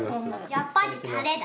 やっぱりタレだ。